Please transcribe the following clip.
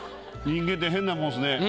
人間って変なもんっすね。